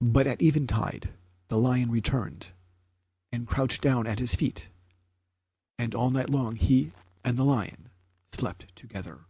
But at eventide the lion returned, and couched down at his feet, and all night long he and the lion slept together.